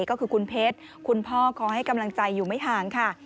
ก็คือคุณเพชรคุณพ่อคอยให้กำลังใจอยู่ไม่ห่างค่ะ